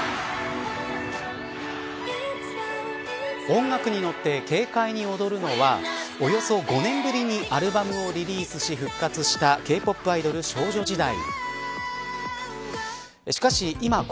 音楽に乗って軽快に踊るのはおよそ５年ぶりにアルバムをリリースし復活したＫ‐ＰＯＰアイドル少女時代。